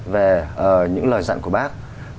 về những lời dặn của bác